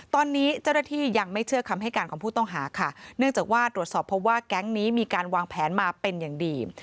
ตอนนี้เจ้าหน้าที่ยังไม่เชื่อคำให้การของผู้ต้องหาค่ะเนื่องจากว่าตรวจสอบเพราะว่าแก๊งนี้มีการวางแผนมาเป็นอย่างดี